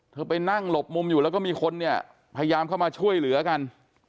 ไปนั่งหลบมุมอยู่แล้วก็มีคนเนี่ยพยายามเข้ามาช่วยเหลือกัน